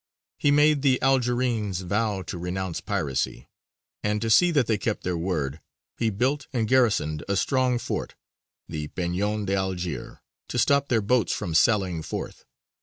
He made the Algerines vow to renounce piracy; and, to see that they kept their word, he built and garrisoned a strong fort, the "Peñon de Alger," to stop their boats from sallying forth.